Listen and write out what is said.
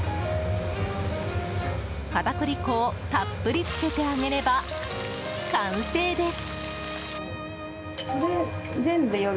片栗粉をたっぷりつけて揚げれば完成です。